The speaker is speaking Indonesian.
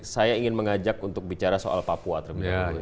saya ingin mengajak untuk bicara soal papua terlebih dahulu